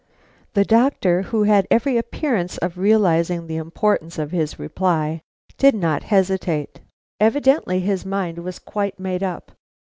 The doctor, who had every appearance of realizing the importance of his reply, did not hesitate. Evidently his mind was quite made up.